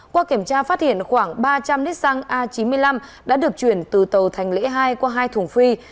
qua kiểm tra phát hiện khoảng ba trăm linh lít xăng a chín mươi năm đã được chuyển từ tàu thành lễ hai qua hai thùng phi